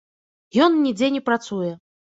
Ён нідзе не працуе.